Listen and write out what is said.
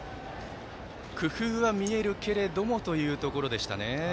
工夫は見えるけれどもというところでしたね。